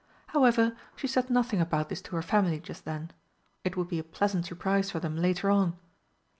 However, she said nothing about this to her family just then; it would be a pleasant surprise for them later on.